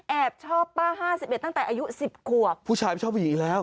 ชอบป้าห้าสิบเอ็ดตั้งแต่อายุสิบขวบผู้ชายไม่ชอบผู้หญิงอีกแล้ว